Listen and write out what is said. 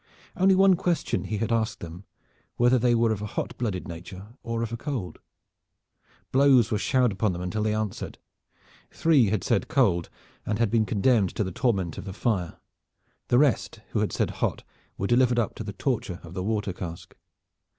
Only one question he had asked them, whether they were of a hot blooded nature or of a cold. Blows were showered upon them until they answered. Three had said cold, and had been condemned to the torment of the fire. The rest who had said hot were delivered up to the torture of the water cask.